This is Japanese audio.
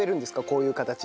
こういう形で。